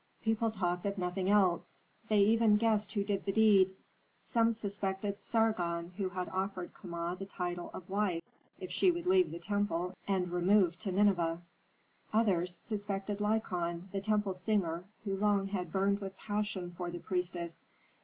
People talked of nothing else. They even guessed who did the deed. Some suspected Sargon, who had offered Kama the title of wife if she would leave the temple and remove to Nineveh. Others suspected Lykon, the temple singer, who long had burned with passion for the priestess.